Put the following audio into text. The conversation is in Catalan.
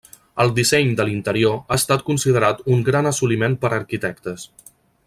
El disseny de l'interior ha estat considerat un gran assoliment per arquitectes.